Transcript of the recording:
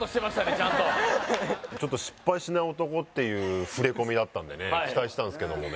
ちゃんとちょっと失敗しない男っていう触れ込みだったんでね期待してたんですけどもね